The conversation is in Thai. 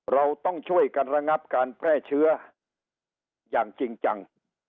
เราต้องช่วยกันระงับการแพร่เชื้ออย่างจริงจัง